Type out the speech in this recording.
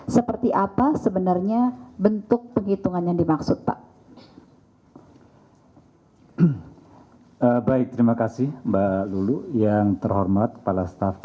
seperti apa sebenarnya bentuk penghitungan yang dimaksud pak